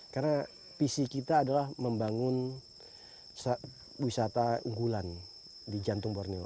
karena visi kita adalah membangun wisata unggulan di jantung borneo